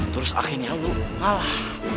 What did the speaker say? terus akhirnya lu ngalah